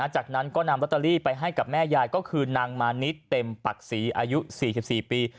จากนั้นก็นำลอตเตอรี่ไปให้กับแม่ยายก็คือนางมานิดเต็มปักศรีอายุ๔๔ปี